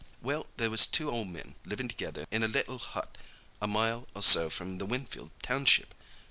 "Well, there was two ol' men livin' together in a little hut a mile or so from the Winfield township.